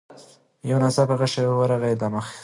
یو ناڅاپه غشی ورغی له مځکي